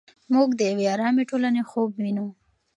موږ د یوې ارامې ټولنې خوب ویني.